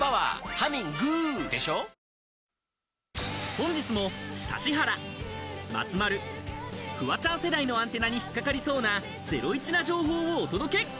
本日も指原、松丸、フワちゃん世代のアンテナに引っ掛かりそうなゼロイチな情報をお届け！